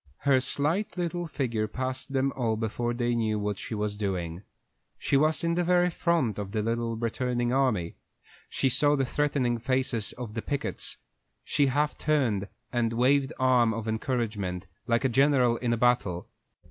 Her slight little figure passed them all before they knew what she was doing. She was in the very front of the little returning army. She saw the threatening faces of the pickets; she half turned, and waved an arm of encouragement, like a general in a battle.